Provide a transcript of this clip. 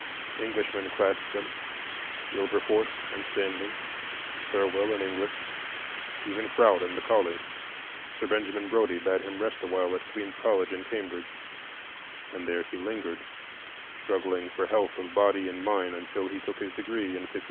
Englishmen clasped them,—Wilberforce and Stanley, Thirwell and Ingles, and even Froude and Macaulay; Sir Benjamin Brodie bade him rest awhile at Queen's College in Cambridge, and there he lingered, struggling for health of body and mind, until he took his degree in '53.